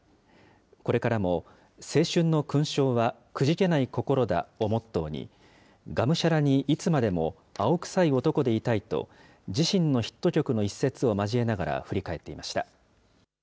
これからも青春の勲章はくじけない心だをモットーに、がむしゃらにいつまでも青臭い男でいたいと、自身のヒット曲の一節を交えながら振り返っていました。